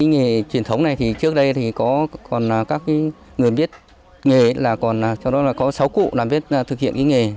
nghề truyền thống này trước đây còn có sáu cụ làm biết thực hiện nghề